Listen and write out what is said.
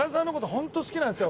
ホント好きなんですよ。